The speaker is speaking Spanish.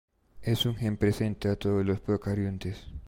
Es un gen presente a todos los procariontes.